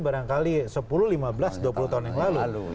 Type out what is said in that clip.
barangkali sepuluh lima belas dua puluh tahun yang lalu